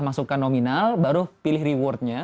masukkan nominal baru pilih rewardnya